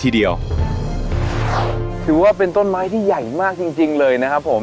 ถือว่าเป็นต้นไม้ที่ใหญ่มากจริงจริงเลยนะครับผม